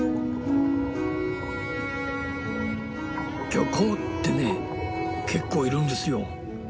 漁港ってねけっこういるんですよ。